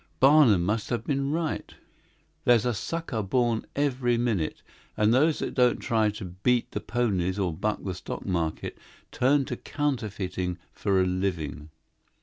Barnum must have been right. There's a sucker born every minute and those that don't try to beat the ponies or buck the stock market turn to counterfeiting for a living.